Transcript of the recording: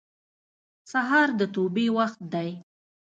سهار د توبې وخت دی.